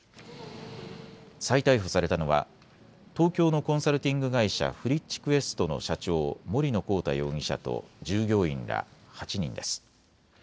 再逮捕されたのは東京のコンサルティング会社、ＦＲｉｃｈＱｕｅｓｔの社長森野広太容疑者と従業員ら８人です。